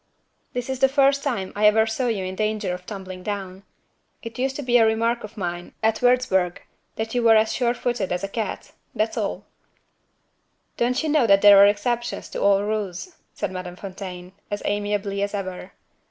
"This is the first time I ever saw you in danger of tumbling down. It used to be a remark of mine, at Wurzburg, that you were as sure footed as a cat. That's all." "Don't you know that there are exceptions to all rules?" said Madame Fontaine, as amiably as ever.